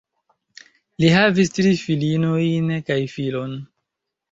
Li havis tri filinojn kaj filon.